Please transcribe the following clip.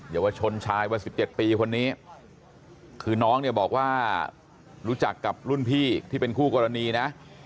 เยาวชนชายวัย๑๗ปีคนนี้คือน้องเนี่ยบอกว่ารู้จักกับรุ่นพี่ที่เป็นคู่กรณีนะ